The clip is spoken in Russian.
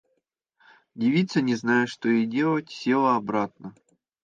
Девица, не зная, что ей делать, села обратно.